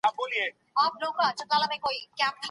مجاهدین د دلارام د پخوانیو کارنامو او مېړانې وارثان بلل کېږي.